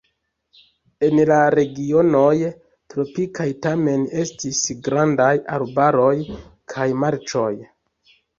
En la regionoj tropikaj tamen estis grandaj arbaroj kaj marĉoj.